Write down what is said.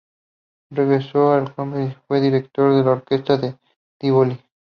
Regresó a Copenhague y fue director de la orquesta del Tivoli.